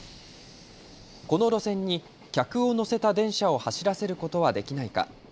この路線に客を乗せた電車を走らせることはできないか。